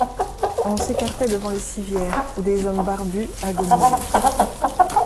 On s'écartait devant les civières où des hommes barbus agonisaient.